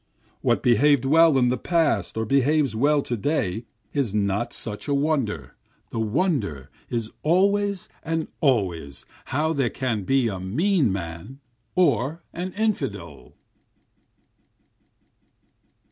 What behaved well in the past or behaves well to day is not such wonder, The wonder is always and always how there can be a mean man or an infidel.